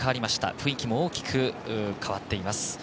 雰囲気も大きく変わっています。